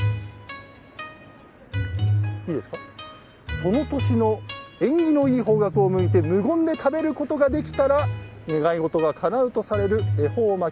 その年の縁起のいい方角を向いて無言で食べることができたら願い事がかなうとされる恵方巻き。